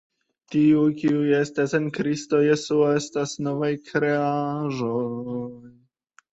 Tiuj, kiuj estas en Kristo Jesuo estas novaj kreaĵoj.